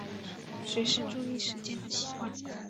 随时注意时间的习惯